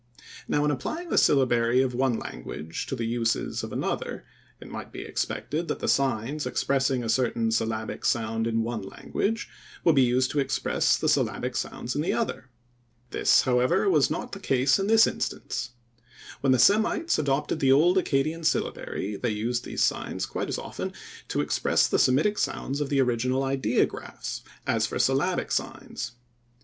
Now in applying the syllabary of one language to the uses of another, it might be expected that the signs expressing a certain syllabic sound in one language would be used to express the syllabic sounds in the other. This however, was not the case in this instance. When the Semites adopted the old Accadian syllabary they used these signs quite as often to express the Semitic sounds of the original ideographs as for syllabic signs.